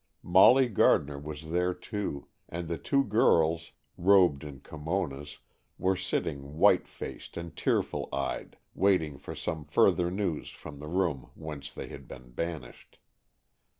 Molly Gardner was there, too, and the two girls, robed in kimonas, were sitting, white faced and tearful eyed, waiting for some further news from the room whence they had been banished.